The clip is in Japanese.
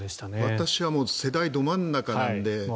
私は世代ど真ん中なので。